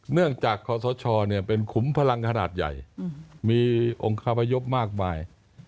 เนื่องจากขอสชเป็นขุมพลังขนาดใหญ่มีองค์คาพยพมากมาย